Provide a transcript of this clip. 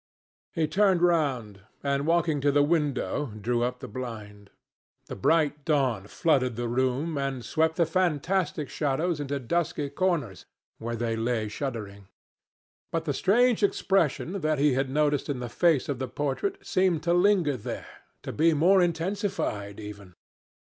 He turned round and, walking to the window, drew up the blind. The bright dawn flooded the room and swept the fantastic shadows into dusky corners, where they lay shuddering. But the strange expression that he had noticed in the face of the portrait seemed to linger there, to be more intensified even.